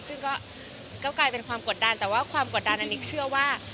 ซึ่งก็กลายเป็นความกดดันแต่ว่าความกดดันอันนี้เชื่อว่า